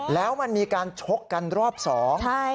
แล้วมันมีการชกกันรอบสอง